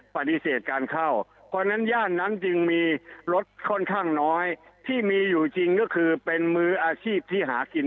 ปฏิเสธการเข้าเพราะฉะนั้นย่านนั้นจึงมีรถค่อนข้างน้อยที่มีอยู่จริงก็คือเป็นมืออาชีพที่หากิน